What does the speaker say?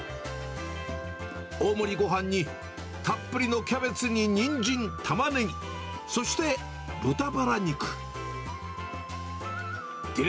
大盛りごはんにたっぷりのキャベツにニンジン、タマネギ、そして豚バラ肉。